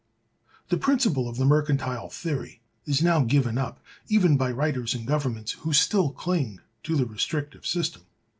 The principle of the Mercantile Theory is now given up even by writers and governments who still cling to the restrictive system.